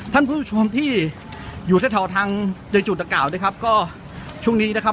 ท่านผู้ชมที่อยู่แถวทางในจุดดังกล่าวนะครับก็ช่วงนี้นะครับ